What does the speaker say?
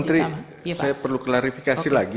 putri saya perlu klarifikasi lagi